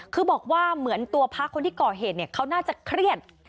คือบอกว่าเหมือนตัวพระคนที่ก่อเหตุเขาน่าจะเครียด